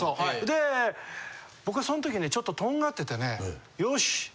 で僕はそのときねちょっととんがっててねよし！